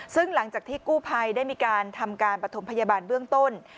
ซึ่งหลังจากที่กู้ภัยได้มีการทำการปฐมพยาบาลเบื้องต้น